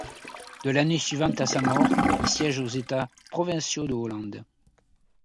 De l'année suivante à sa mort, il siège aux États provinciaux de Hollande.